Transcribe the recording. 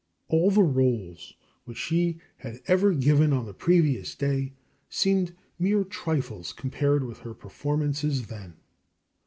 All the rolls which she had ever given on the previous day seemed mere trifles compared with her performances then.